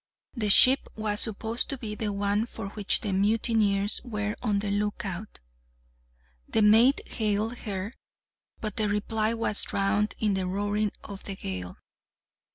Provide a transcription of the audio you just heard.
The ship was supposed to be the one for which the mutineers were on the lookout. The mate hailed her, but the reply was drowned in the roaring of the gale.